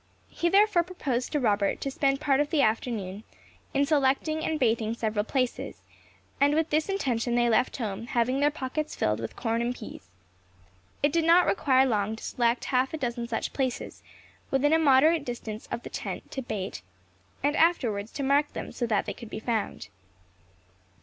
He therefore proposed to Robert to spend part of the forenoon in selecting and baiting several places; and with this intention they left home, having their pockets filled with corn and peas. It did not require long to select half a dozen such places, within a moderate distance of the tent, to bait, and afterwards to mark them so that they could be found.